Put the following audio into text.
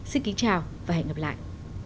xin kính chào và hẹn gặp lại